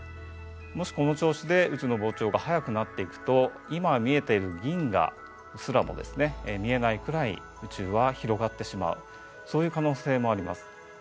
もしこの調子で宇宙の膨張が速くなっていくと今見えている銀河すらも見えないくらい宇宙は広がってしまうそういう可能性もあります。